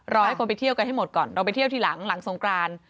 ให้คนไปเที่ยวกันให้หมดก่อนเราไปเที่ยวทีหลังหลังสงกราน